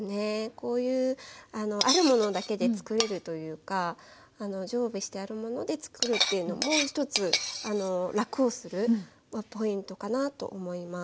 こういうあるものだけで作れるというか常備してあるもので作るっていうのも一つ楽をするポイントかなと思います。